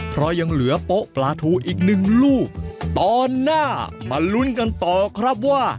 เพราะยังเหลือโป๊ะปลาทูอีกหนึ่งลูกตอนหน้ามาลุ้นกันต่อครับว่า